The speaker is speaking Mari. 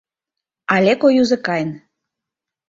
Алеко Юзыкайн